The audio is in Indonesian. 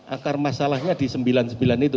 akar masalahnya di sembilan puluh sembilan itu